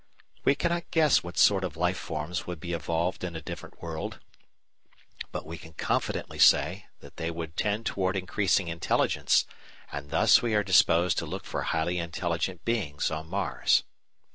We cannot guess what sort of life forms would be evolved in a different world, but we can confidently say that they would tend toward increasing intelligence; and thus we are disposed to look for highly intelligent beings on Mars.